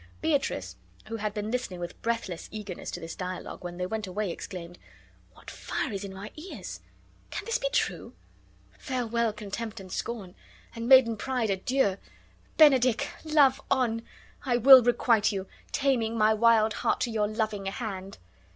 Beatrice, who had been listening with breathless eagerness to this dialogue, when they went away exclaimed: "What fire is in mine ears? Can this be true? Farewell, contempt and scorn, and maiden pride, adieu! Benedick, love on! I will requite you, taming my wild heart to your loving hand."